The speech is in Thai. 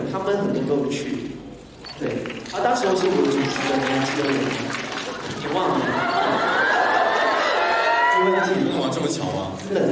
ก็มีค่ายจัดการของสมุนติกรี๊มที่เป็นเมืองที่เกี่ยวกับเรา